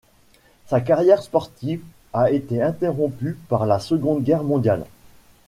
Sa carrière sportive a été interrompue par la Seconde Guerre mondiale.